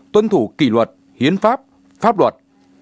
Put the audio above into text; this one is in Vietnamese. tuân thủ kỷ luật hiến pháp pháp luật